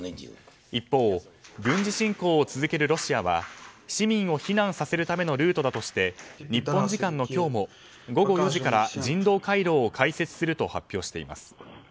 一方、軍事侵攻を続けるロシアは市民を避難させるためのルートだとして日本時間の今日も午後４時から人道回廊を開設すると発表しています。